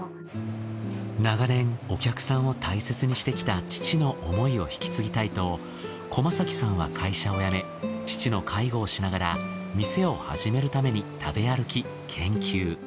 長年お客さんを大切にしてきた父の思いを引き継ぎたいと駒さんは会社を辞め父の介護をしなが店を始めるために食べ歩き研究。